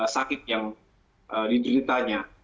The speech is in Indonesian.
sakit yang didilitanya